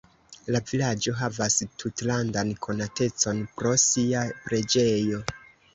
La vilaĝo havas tutlandan konatecon pro sia preĝejo.